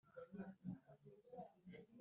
Mu Kwakira Minisiteri yari ifite abakozi